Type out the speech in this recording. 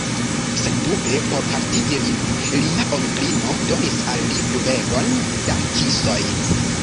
Sendube por haltigi lin, lia onklino donis al li pluvegon da kisoj.